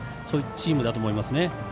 そういうチームだと思いますね。